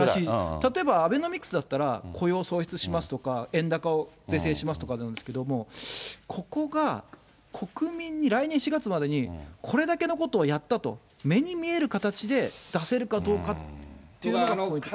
例えばアベノミクスだったら、雇用創出しますとか、円高を是正しますとかなんですけど、ここが国民に来年４月までに、これだけのことをやったと、目に見える形で出せるかどうかっていうのがポイントかな。